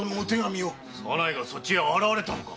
左内がそっちへ現れたのか？